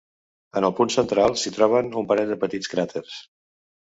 En el punt central s'hi troben un parell de petits cràters.